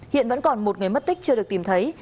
hiện vẫn còn một người mất tích chưa được tìm thấy